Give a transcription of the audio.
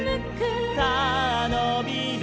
「さあのびろ」